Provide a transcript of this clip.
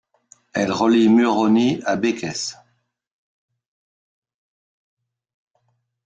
Elle relie Murony à Békés.